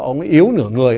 ông ấy yếu nửa người